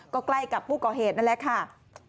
ก็ใกล้กับผู้ก่อเหตุนั่นแหละค่ะ